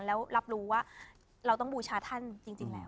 แล้วรับรู้ว่าเราต้องบูชาท่านจริงแล้ว